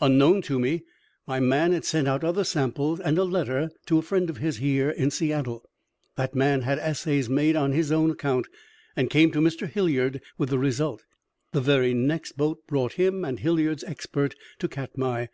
Unknown to me, my man had sent out other samples and a letter to a friend of his here in Seattle. That man had assays made on his own account, and came to Mr. Hilliard with the result. The very next boat brought him and Hilliard's expert to Katmai.